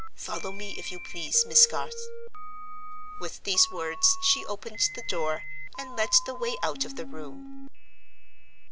Follow me, if you please, Miss Garth." With these words she opened the door, and led the way out of the room.